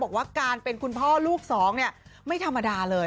บอกว่าการเป็นคุณพ่อลูกสองเนี่ยไม่ธรรมดาเลย